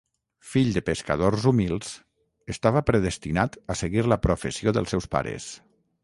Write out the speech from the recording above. Fill de pescadors humils, estava predestinat a seguir la professió dels seus pares.